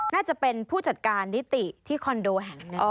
น่าจะเป็นผู้จัดการนิติที่คอนโดแห่งหนึ่ง